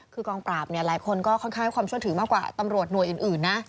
คือกองปราบหลายคนก็ค่อนข้างให้ความเชื่อถือมากกว่าตำรวจหน่วยอื่นนะ